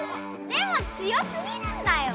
でも強すぎるんだよ！